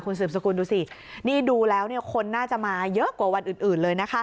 คุณเสิร์ฟสกุลดูสินี่ดูแล้วคนน่าจะมาเยอะกว่าวันอื่นเลยนะคะ